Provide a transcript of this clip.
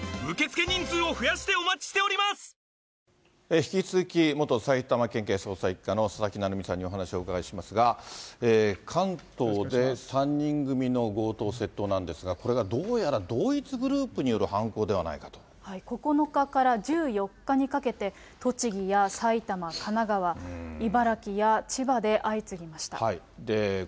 引き続き、元埼玉県警捜査１課の佐々木成三さんにお話しをお伺いしますが、関東で３人組の強盗・窃盗なんですが、これがどうやら同一グルー９日から１４日にかけて、栃木や埼玉、神奈川、茨城や千葉で相次ぎました。